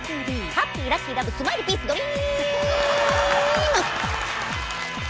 ハッピーラッキーラブスマイルピースドリム！